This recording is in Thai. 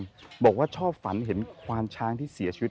แต่ก็คือทุกคนเพราะแม่เดินผ่านก็จะมองตามไปเรื่อยเลยแหละคะ